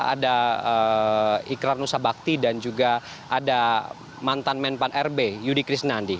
ada ikrar nusa bakti dan juga ada mantan men pan rb yudi krishnandi